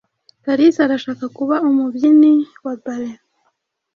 Kalisa arashaka kuba umubyini wa ballet.